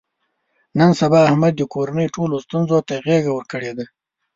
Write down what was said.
نن سبا احمد د کورنۍ ټولو ستونزو ته غېږه ورکړې ده.